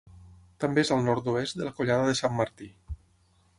També és al nord-oest de la Collada de Sant Martí.